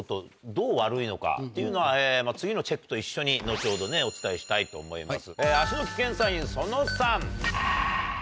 っていうのは次のチェックと一緒に後ほどねお伝えしたいと思います。